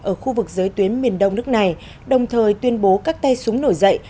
ở khu vực giới tuyến miền đông nước này đồng thời tuyên bố các tay súng nổi dậy